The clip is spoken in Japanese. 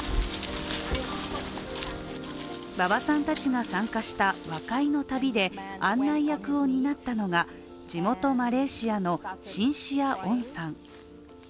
馬場さんたちが参加した和解の旅で案内役を担ったのが地元マレーシアのシンシア・オンさん。